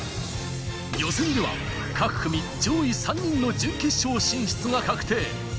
予選では各組上位３人の準決勝進出が確定。